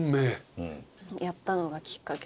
やったのがきっかけで。